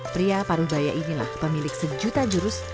pria parubaya inilah pemilik sejuta jurus